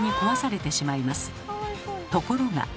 ところが。